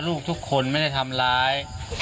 ลูกทุกคนไม่ได้ทำร้าย